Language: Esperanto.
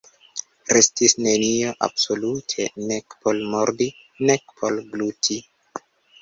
Restis nenio absolute, nek por mordi, nek por gluti.